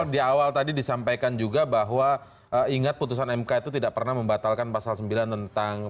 di awal tadi disampaikan juga bahwa ingat putusan mk itu tidak pernah membatalkan pasal sembilan tentang